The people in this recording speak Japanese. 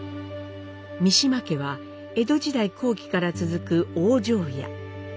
三島家は江戸時代後期から続く大庄屋。